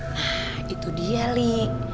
nah itu dia li